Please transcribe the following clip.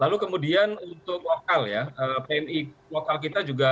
lalu kemudian untuk lokal ya pmi lokal kita juga